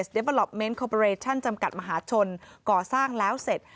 โดยจำกัดมหาชนก่อสร้างแล้วเสร็จ